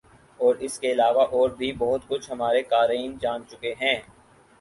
اور اس کے علاوہ اور بھی بہت کچھ ہمارے قارئین جان چکے ہیں ۔